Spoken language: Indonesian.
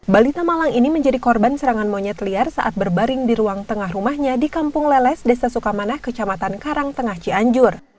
balita malang ini menjadi korban serangan monyet liar saat berbaring di ruang tengah rumahnya di kampung leles desa sukamanah kecamatan karangtengah cianjur